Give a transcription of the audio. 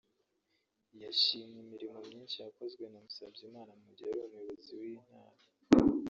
yashimye imirimo myinshi yakozwe na Musabyimana mu gihe yari umuyobozi w’iyi ntara